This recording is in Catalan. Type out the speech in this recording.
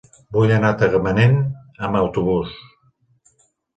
Vull anar a Tagamanent amb autobús.